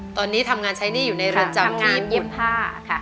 ตอนนี้ทำงานใช้หนี้อยู่ในรถจำญี่ปุ่นค่ะค่ะทำงานเย็บผ้าค่ะ